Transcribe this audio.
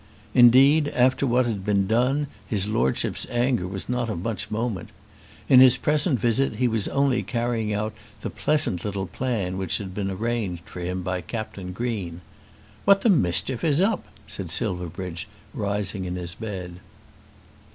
Indeed, after what had been done his Lordship's anger was not of much moment. In his present visit he was only carrying out the pleasant little plan which had been arranged for him by Captain Green. "What the mischief is up?" said Silverbridge, rising in his bed.